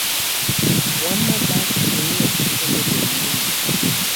Wamma baasi dunia kekete ly'enyini .